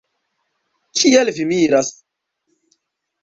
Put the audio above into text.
Kial vi miras?